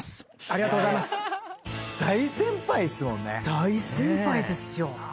大先輩ですよ。